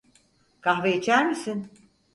Kahve içer misin?